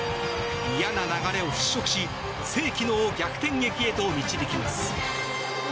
嫌な流れを払しょくし世紀の逆転劇へと導きます。